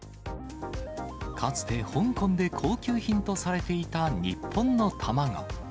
かつて香港で高級品とされていた日本の卵。